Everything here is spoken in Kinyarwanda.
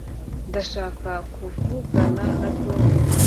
ndashaka kuvugana na tom